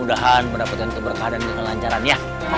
mudah mudahan mendapatkan keberkahanan yang lancaran ya